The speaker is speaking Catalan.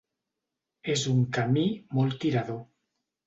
És un camí molt tirador.